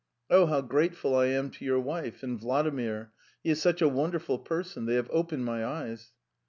Oh, how grateful I am to your wife ! And Vladimir. He is such a wonderful man ! They opened my eyes."